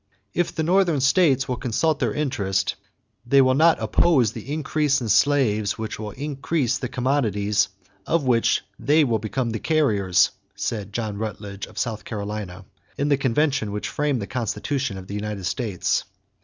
"If the Northern states will consult their interest, they will not oppose the increase in slaves which will increase the commodities of which they will become the carriers," said John Rutledge, of South Carolina, in the convention which framed the Constitution of the United States.